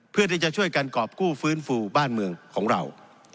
เพื่อที่จะช่วยกันกรอบกู้ฟื้นฟูบ้านเมืองของเรา